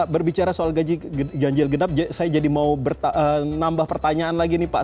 berbicara soal ganjil genap saya jadi mau nambah pertanyaan lagi nih pak